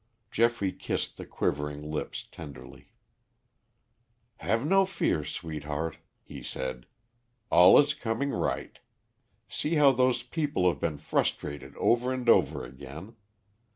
Geoffrey kissed the quivering lips tenderly. "Have no fear, sweetheart," he said; "all is coming right. See how those people have been frustrated over and over again.